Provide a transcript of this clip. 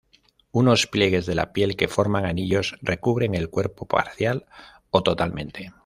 Unos pliegues de la piel que forman anillos recubren el cuerpo parcial o totalmente.